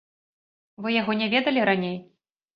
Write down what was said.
Вы яго не ведалі раней?